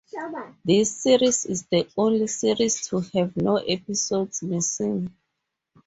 This series is the only series to have no episodes missing.